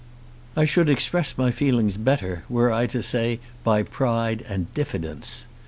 I should express my feelings better were I to say by pride and diffidence.